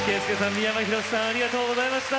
三山ひろしさんありがとうございました！